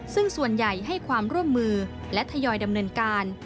ซึ่งส่วนใหญ่ให้ความร่วมมือและทยอยดำเนินการ